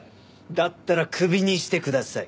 だったらクビにしてください。